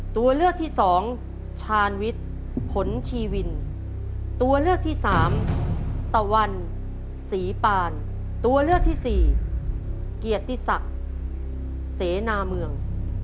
ตัวเลือกที่๔เกียรติศักดิ์เสนาเมือง